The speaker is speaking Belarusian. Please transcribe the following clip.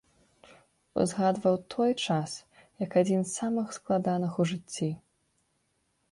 Узгадваў той час як адзін самых складаных у жыцці.